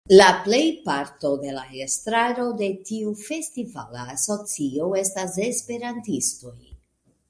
La plejparto de la estraro de tiu festivala asocio estas Esperantistoj.